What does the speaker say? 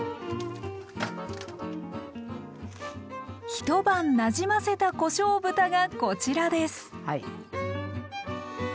一晩なじませたこしょう豚がこちらです。